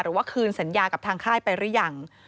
ว่าคืนสัญญากับทางค่ายไปหรือยัง